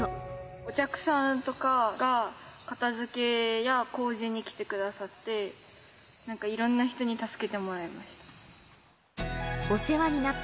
お客さんとかが片づけや工事に来てくださって、なんかいろんな人に助けてもらいました。